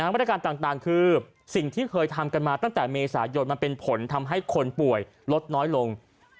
มาตรการต่างคือสิ่งที่เคยทำกันมาตั้งแต่เมษายนมันเป็นผลทำให้คนป่วยลดน้อยลง